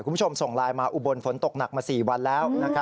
คุณผู้ชมส่งไลน์มาอุบลฝนตกหนักมา๔วันแล้ว